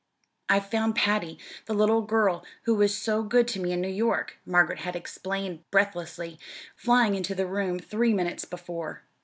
"I've found Patty, the little girl who was so good to me in New York," Margaret had explained breathlessly, flying into the room three minutes before.